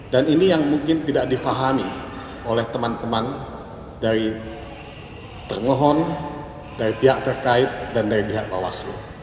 dan ini yang mungkin tidak difahami oleh teman teman dari kremohon dari pihak terkait dan dari pihak bawaslu